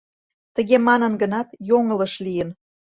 Тыге манын гынат, йоҥылыш лийын.